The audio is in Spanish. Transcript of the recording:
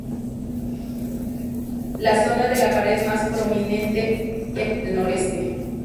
La zona de la pared más prominente se halla en el noroeste.